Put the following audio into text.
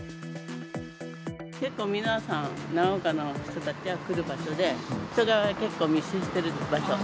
結構皆さん、長岡の人たちが来る場所で、人が結構密集してる場所。